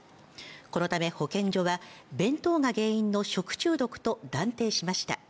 このため、保健所は弁当が原因の食中毒と断定しました。